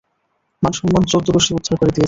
মান সম্মান চৌদ্দ গুষ্টি উদ্ধার করে দিয়েছে।